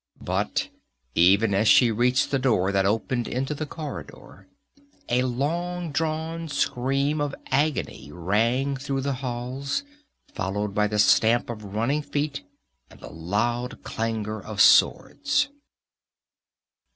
But even as she reached the door that opened into the corridor, a long drawn scream of agony rang through the halls, followed by the stamp of running feet and the loud clangor of swords.